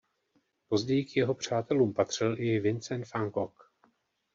Později k jeho přátelům patřil i Vincent van Gogh.